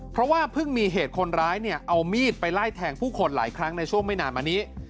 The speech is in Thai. เพราะว่าเพิ่งมีเหตุคนร้ายเนี่ยเอามีดไปไล่แทงผู้คนหลายครั้งในช่วงไม่นานมานี้